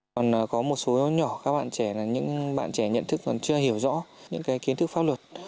còn có một số nhỏ các bạn trẻ là những bạn trẻ nhận thức còn chưa hiểu rõ những kiến thức pháp luật